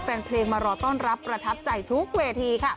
แฟนเพลงมารอต้อนรับประทับใจทุกเวทีค่ะ